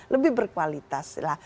lebih berkualitas lah